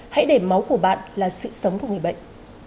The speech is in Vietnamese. hãy để máu của bạn là sự sống của người bệnh